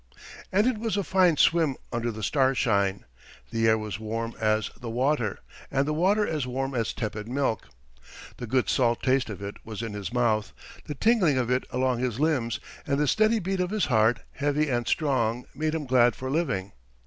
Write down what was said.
And it was a fine swim under the starshine. The air was warm as the water, and the water as warm as tepid milk. The good salt taste of it was in his mouth, the tingling of it along his limbs; and the steady beat of his heart, heavy and strong, made him glad for living.